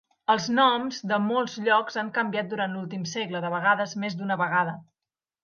Els noms de molts llocs han canviat durant l'últim segle, de vegades més d'una vegada.